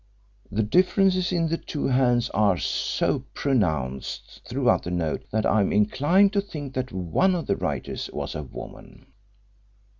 The differences in the two hands are so pronounced throughout the note that I am inclined to think that one of the writers was a woman."